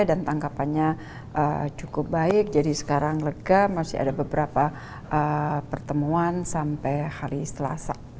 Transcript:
dan tangkapannya cukup baik jadi sekarang lega masih ada beberapa pertemuan sampai hari setelah saat